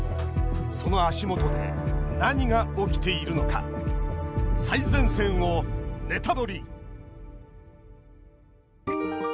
その足元で何が起きているのか最前線をネタドリ！